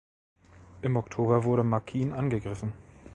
Im Oktober wurde Makin angegriffen.